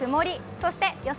そして予想